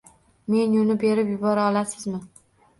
Menyuni berib yubora olasizmi?